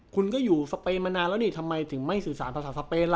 คุณก็อยู่สเปนมานานแล้วนี่ทำไมถึงไม่สื่อสารภาษาสเปนล่ะ